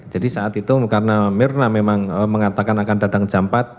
jadi saat itu karena mirna memang mengatakan akan datang jempat